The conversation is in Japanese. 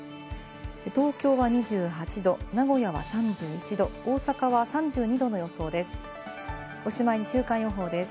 東京は２８度、名古屋は３１度、大阪は３２度の予想です。